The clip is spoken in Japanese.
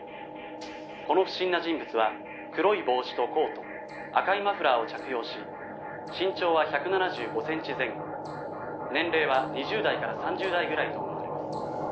「この不審な人物は黒い帽子とコート赤いマフラーを着用し身長は１７５センチ前後年齢は２０代から３０代ぐらいと思われます」